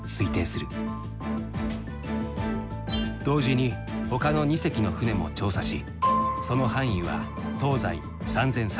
同時にほかの２隻の船も調査しその範囲は東西３，３００キロ。